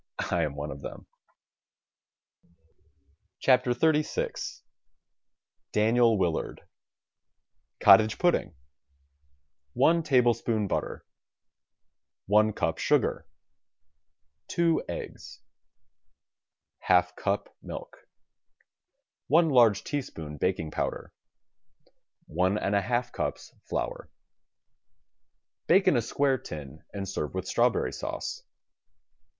I am one of them. [8i] THE STAG COOK BOOK XXXVI Daniel W^illard COTTAGE PUDDING One tablespoon butter One cup sugar Two eggs Half cup milk One large teaspoon baking powder One and a half cups flour Bake in a square tin and serve with strawberry sauce.